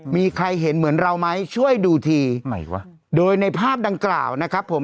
มีใครเห็นเหมือนเราไหมช่วยดูทีใหม่วะโดยในภาพดังกล่าวนะครับผม